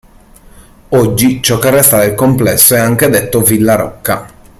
Oggi, ciò che resta del complesso è anche detto Villa Rocca.